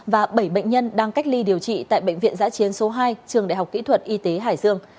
và bảy bệnh nhân đang cách ly điều trị tại bệnh viện giã chiến số hai trường đại học kỹ thuật y tế hải dương